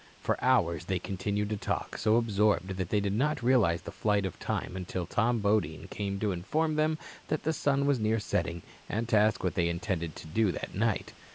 For hours they continued to talk, so absorbed that they did not realize the flight of time until Tom Bodine came to inform them the sun was near setting and to ask what they intended to do that night.